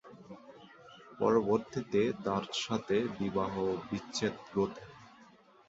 পরবর্তীতে তার সাথে বিবাহ-বিচ্ছেদ ঘটে।